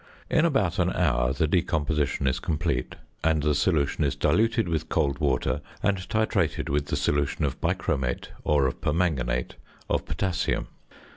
In about an hour the decomposition is complete, and the solution is diluted with cold water, and titrated with the solution of bichromate or of permanganate of potassium.